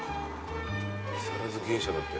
木更津芸者だって。